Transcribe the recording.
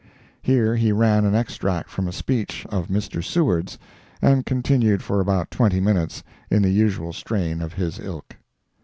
Here he read an extract from a speech of Mr. Seward's, and continued for about twenty minutes in the usual strain of his ilk.